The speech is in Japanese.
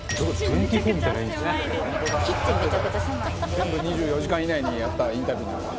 「全部２４時間以内にやったインタビューなのかな」